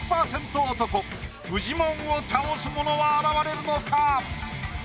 男フジモンを倒す者は現れるのか？